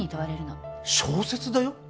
小説だよ？